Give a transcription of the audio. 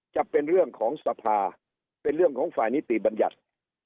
จะเป็นเรื่องของสภาเป็นเรื่องของฝ่ายนิติบัญญัติ